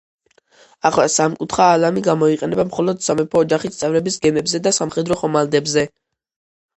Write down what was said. ახლა სამკუთხა ალამი გამოიყენება მხოლოდ სამეფო ოჯახის წევრების გემებზე და სამხედრო ხომალდებზე.